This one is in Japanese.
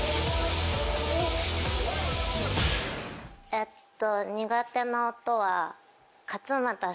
えっと。